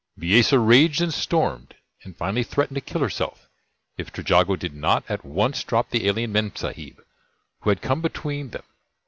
Bisesa raged and stormed, and finally threatened to kill herself if Trejago did not at once drop the alien Memsahib who had come between them.